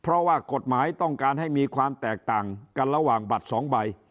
เพราะว่ากฎหมายต้องการให้มีความแตกต่างกันระหว่างบัตร๒ใบ